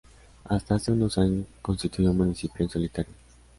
Hasta hace unos años constituyó municipio en solitario.